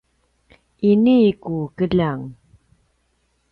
ini ku keljang